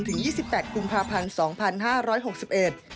ถึง๒๘กุมภาพันธ์๒๕๖๑